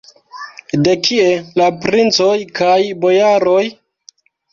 De kie la princoj kaj bojaroj?